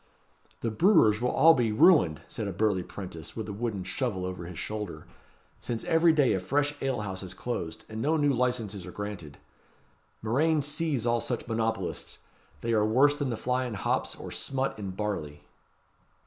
"The brewers will be all ruined," said a burly 'prentice, with a wooden shovel over his shoulder; "since every day a fresh ale house is closed; and no new licences are granted. Murrain seize all such monopolists! They are worse than the fly in hops, or smut in barley."